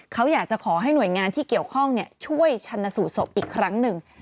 เขาอยากจะขอให้หน่วยงานที่เกี่ยวข้องช่วยชันสูตรศพอีกครั้งหนึ่ง